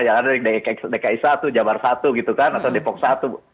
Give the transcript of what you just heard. yang ada di dki satu jabar satu gitu kan atau depok satu